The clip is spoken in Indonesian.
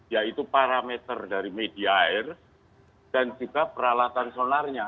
yaitu parameter dari media air dan juga peralatan sonarnya